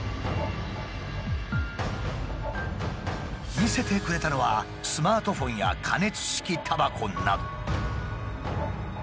見せてくれたのはスマートフォンや加熱式タバコなど。